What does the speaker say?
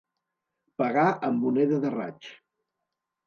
Pagar amb moneda de raig.